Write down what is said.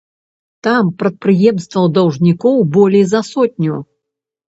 Там прадпрыемстваў-даўжнікоў болей за сотню.